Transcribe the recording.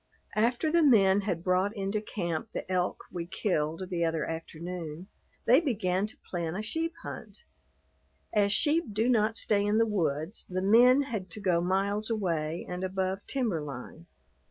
After the men had brought into camp the elk we killed the other afternoon, they began to plan a sheep hunt. As sheep do not stay in the woods, the men had to go miles away and above timber line.